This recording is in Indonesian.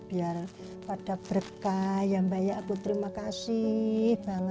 biar pada berkah yang banyak aku terima kasih banget mbak